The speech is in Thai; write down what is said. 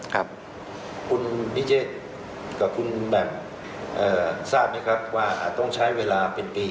ครับคุณวิเชษกับคุณแหม่มทราบไหมครับว่าอาจต้องใช้เวลาเป็นปี